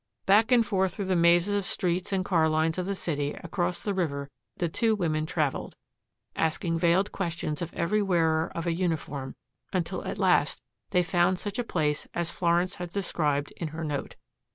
Back and forth through the mazes of streets and car lines of the city across the river the two women traveled, asking veiled questions of every wearer of a uniform, until at last they found such a place as Florence had described in her note.